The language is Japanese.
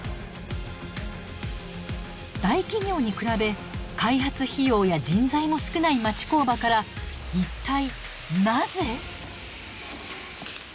大企業に比べ開発費用や人材も少ない町工場から一体なぜ。